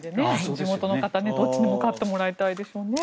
地元の方はどっちにも勝ってもらいたいでしょうね。